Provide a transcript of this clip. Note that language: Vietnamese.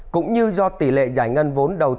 cũng như do tỷ lệ giải ngân vốn đầu tư công bị đóng băng